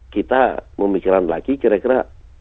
kita memikirkan lagi kira kira